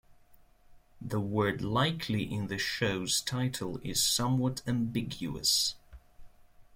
The word "likely" in the show's title is somewhat ambiguous.